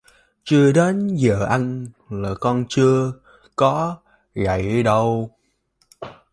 Chưa đến giờ ăn là con chưa có dậy đâu